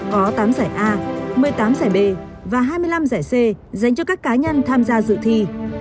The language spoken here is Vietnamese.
có tám giải a một mươi tám giải b và hai mươi năm giải c dành cho các cá nhân tham gia dự thi